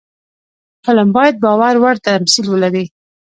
فلم باید باور وړ تمثیل ولري